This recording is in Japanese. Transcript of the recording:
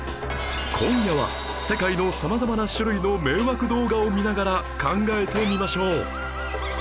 今夜は世界の様々な種類の迷惑動画を見ながら考えてみましょう